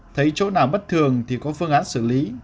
thấy chỗ nào bất thường thì có phương án xử lý